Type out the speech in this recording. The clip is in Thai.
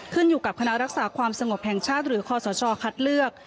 ขึ้นอยู่กับคณะรักษาความสงบแห่งชาติหรือคอสชคัดเลือก